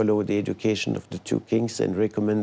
พ่อมีชีวิตแจ้งจำนวน